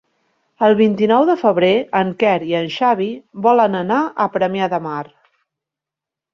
El vint-i-nou de febrer en Quer i en Xavi volen anar a Premià de Mar.